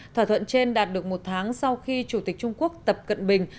thỏa thuận trên đạt được một tháng sau khi chủ tịch trung quốc tập cận bình